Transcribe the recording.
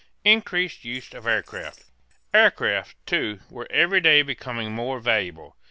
INCREASED USE OF AIRCRAFT. Aircraft, too, were every day becoming more valuable.